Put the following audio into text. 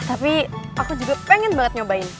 tapi aku juga pengen banget nyobain